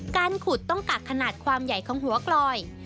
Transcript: การขุดต้องกักขนาดความใหญ่ของหัวกลอย